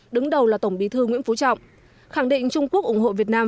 đứng đầu là tổng bí thư nguyễn phú trọng khẳng định trung quốc ủng hộ việt nam